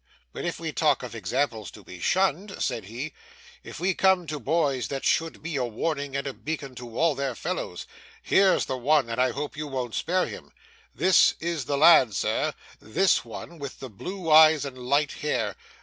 'But if we talk of examples to be shunned,' said he, 'if we come to boys that should be a warning and a beacon to all their fellows, here's the one, and I hope you won't spare him. This is the lad, sir; this one with the blue eyes and light hair.